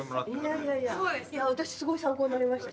いやいやいや私すごい参考になりました。